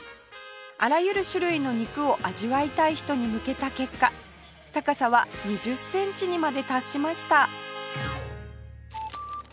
あらゆる種類の肉を味わいたい人に向けた結果高さは２０センチにまで達しました